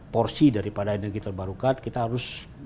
porsi daripada energi terbarukan kita harus